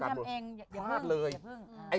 พลาดเลย